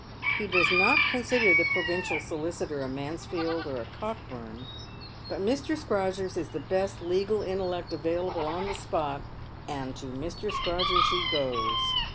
He does not consider the provincial solicitor a Mansfield or a Cockbum ; but Mr. Scrodgers is th% best legal intellect available on the spot, and to Mr. Scrodgers he goes.